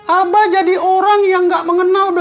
abah jadi orang yang gak mengenal